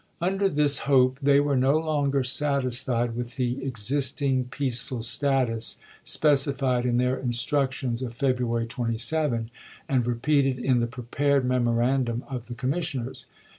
Under this hope they were no longer satisfied with the " exist ing peaceful status " specified in their instructions of February 27, and repeated in the prepared mem orandum of the commissioners.